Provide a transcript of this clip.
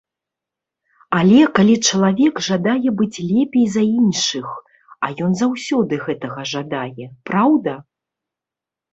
Але калі чалавек жадае быць лепей за іншых, а ён заўсёды гэтага жадае, праўда?